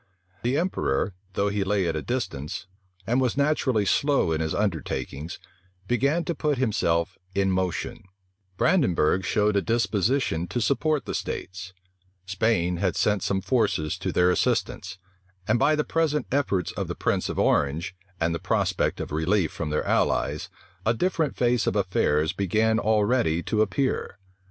The emperor, though he lay at a distance, and was naturally slow in his undertakings, began to put himself in motion; Brandenburgh showed a disposition to support the states; Spain had sent some forces to their assistance; and by the present efforts of the prince of Orange, and the prospect of relief from their allies, a different face of affairs began already to appear.